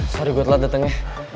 sorry gue telat dateng ya